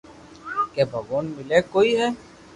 ڪي ڀگوان ملي ڪوئي ھي